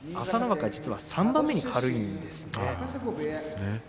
朝乃若は実は３番目に軽いんですね。